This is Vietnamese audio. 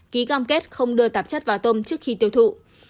ký cam kết không đưa tạp chất vào tôm trước khi tiêu thụ